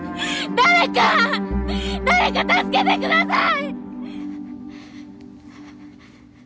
誰か助けてください！